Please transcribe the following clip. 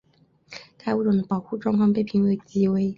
该物种的保护状况被评为极危。